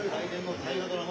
大河ドラマ